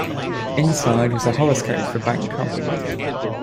Inside was a horoscope for Bangkok.